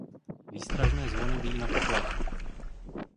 Výstražné zvony bijí na poplach.